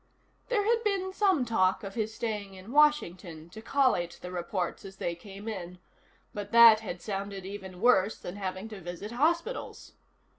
There had been some talk of his staying in Washington to collate the reports as they came in, but that had sounded even worse than having to visit hospitals.